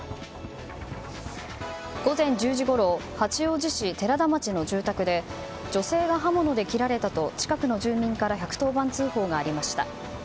午前１０時ごろ八王子市寺田町の住宅で女性が刃物で切られたと近くの住民から１１０番通報がありました。